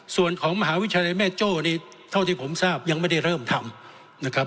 ส่วนของมหาวิทยาลัยแม่โจ้นี่เท่าที่ผมทราบยังไม่ได้เริ่มทำนะครับ